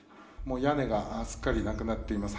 屋根がすっかりなくなっています。